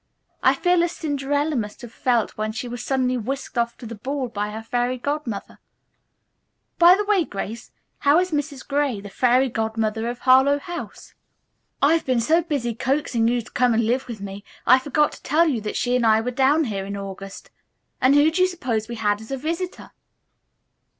"I feel as Cinderella must have felt when she was suddenly whisked off to the ball by her fairy godmother. By the way, Grace, how is Mrs. Gray, the fairy godmother of Harlowe House?" "I've been so busy coaxing you to come and live with me, I forgot to tell you that she and I were down here in August, and who do you suppose we had as a visitor?"